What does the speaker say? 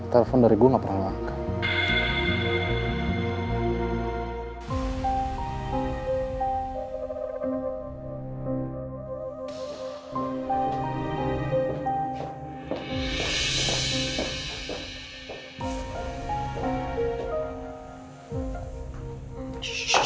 telepon dari gue gak pernah lo angkat